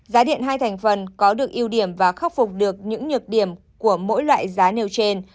giá điện hai thành phần có được ưu điểm và khắc phục được những nhược điểm của mỗi loại giá nêu trên